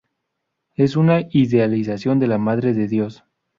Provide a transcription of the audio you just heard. Es una idealización de la Madre de Dios.